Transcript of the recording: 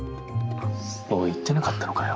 おい言ってなかったのかよ？